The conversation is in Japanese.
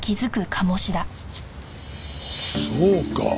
そうか！